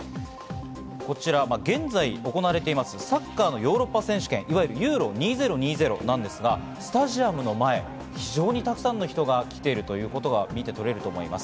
現在行われています、サッカーのヨーロッパ選手権、いわゆるユーロ２０２０なんですが、スタジアムの前、非常にたくさんの人が来ているというのが見て取れます。